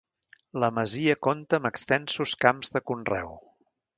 La masia compta amb extensos camps de conreu.